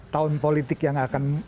tahun politik yang akan